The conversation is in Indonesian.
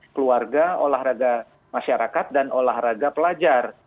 keluarga olahraga masyarakat dan olahraga pelajar